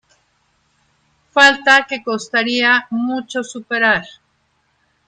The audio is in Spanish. Falta que costaría mucho superar.